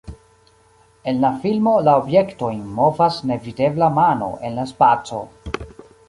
En la filmo, la objektojn movas nevidebla mano en la spaco.